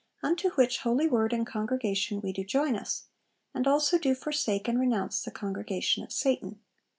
unto which holy word and congregation we do join us, and also do forsake and renounce the congregation of Satan.'